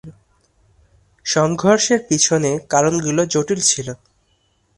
সংঘর্ষের পিছনে কারণগুলি জটিল ছিল।